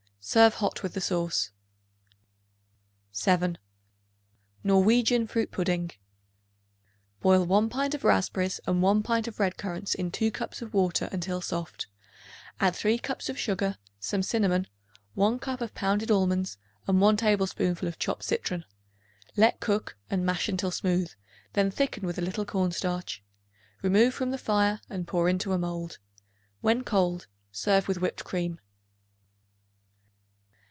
Serve hot with the sauce. 7. Norwegian Fruit Pudding. Boil 1 pint of raspberries and 1 pint of red currants in 2 cups of water until soft; add 3 cups of sugar, some cinnamon, 1 cup of pounded almonds and 1 tablespoonful of chopped citron. Let cook and mash until smooth; then thicken with a little cornstarch. Remove from the fire and pour into a mold. When cold, serve with whipped cream.